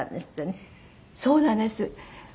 そうなんです。